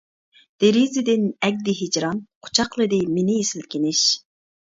دېرىزىدىن ئەگىدى ھىجران، قۇچاقلىدى مېنى سىلكىنىش.